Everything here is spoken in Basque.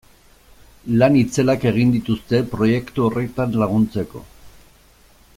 Lan itzelak egin dituzte proiektu horretan laguntzeko.